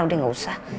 udah gak usah